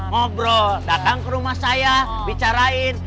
ngobrol datang ke rumah saya bicarain